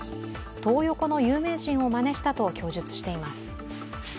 トー横の有名人をまねしたと供述しています。